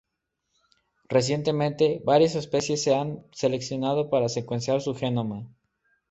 Recientemente, varias especies se han seleccionado para secuenciar su genoma.